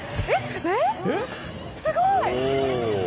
すごい。